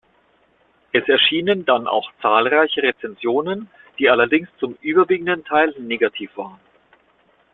Es erschienen dann auch zahlreiche Rezensionen, die allerdings zum überwiegenden Teil negativ waren.